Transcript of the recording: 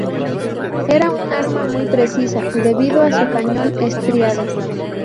Era un arma muy precisa debido a su cañón estriado.